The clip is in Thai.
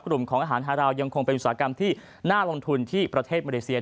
กลุ่มของอาหารฮาราวยังคงเป็นอุตสาหกรรมที่น่าลงทุนที่ประเทศมาเลเซีย